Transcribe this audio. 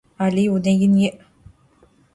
Alıy vune yin yi'.